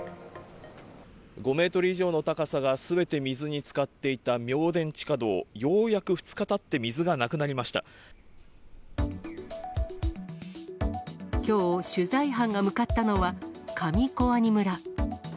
５メートル以上の高さがすべて水につかっていた明田地下道、ようやく２日たって、水がなくなきょう、取材班が向かったのは、上小阿仁村。